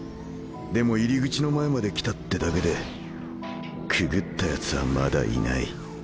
でも入り口の前まで来たってだけでくぐったヤツはまだいない。